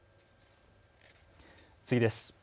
次です。